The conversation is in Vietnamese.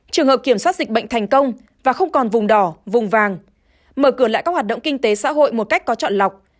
trường hợp kiểm soát dịch bệnh thành công và không còn vùng đỏ vùng vàng mở cửa lại các hoạt động kinh tế xã hội một cách có trọn lọc